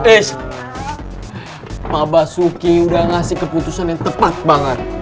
is mabah suki udah ngasih keputusan yang tepat banget